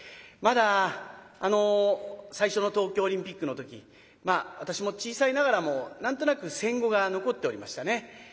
まだ最初の東京オリンピックの時私も小さいながらも何となく戦後が残っておりましたね。